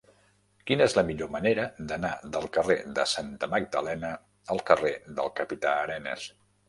Quina és la millor manera d'anar del carrer de Santa Magdalena al carrer del Capità Arenas?